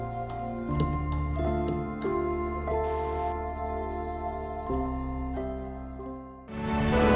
penata tari sang penjaga seni tradisi